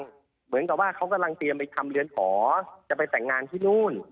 เขากำลังเตรียมไปทำเหรือนหอจะไปแต่งงานที่นู่น